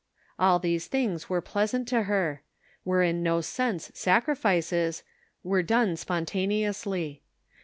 All these things were pleasant to her ; were in no sense sacrifices ; were done spontaneously.